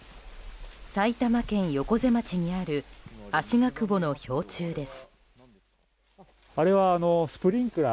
埼玉県横瀬町にあるあしがくぼの氷柱です。